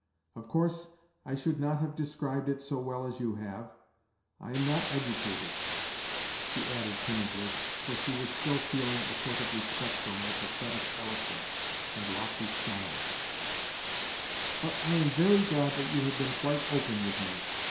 Of course, I should not have described it so well as you have ; I am not educated," she added timidly, for she was still feeling a sort of respect for my pathetic eloquence and lofty \\\ style";"'"' but 1 aM very gted that you have T>een quite open with me.